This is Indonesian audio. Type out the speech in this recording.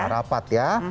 nah rapat ya